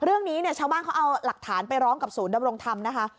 เรื่องนี้เนี่ยชาวบ้านเขาเอาหลักฐานไปร้องกับศูนย์ดำรงธรรมนะคะ